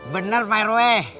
bener pak rw